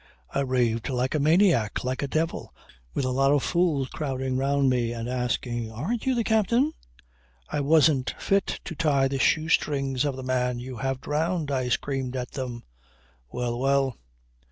I raved like a maniac, like a devil, with a lot of fools crowding round me and asking, "Aren't you the captain?" "I wasn't fit to tie the shoe strings of the man you have drowned," I screamed at them ... Well! Well!